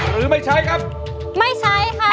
ทั้งในเรื่องของการทำงานเคยทำนานแล้วเกิดปัญหาน้อย